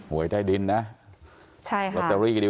ความปลอดภัยของนายอภิรักษ์และครอบครัวด้วยซ้ำ